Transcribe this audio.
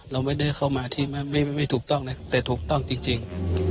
เราไม่ได้เข้ามาที่ไม่ถูกต้องนะแต่ถูกต้องจริง